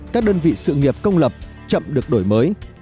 các đơn vị sự nghiệp công lập chậm được đổi mới